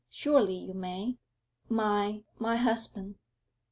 Surely you may? My my husband?'